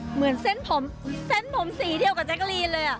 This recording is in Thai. เหมือนเส้นผมเส้นผมสีเดียวกับแจกรีนเลย